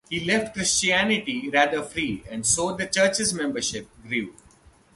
He left Christianity rather free and so the church's membership grew.